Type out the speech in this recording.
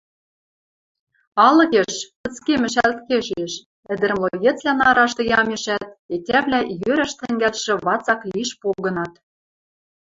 Алыкеш, пӹцкемӹшӓлт кешеш, ӹдӹр-млоецвлӓн арашты ямешӓт, тетявлӓ йӧрӓш тӹнгӓлшӹ вацак лиш погынат.